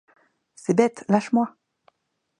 C'est bête, lâche-moi!